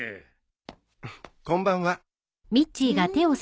こんばんは。